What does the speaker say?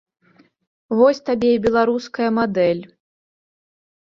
Вось табе і беларуская мадэль.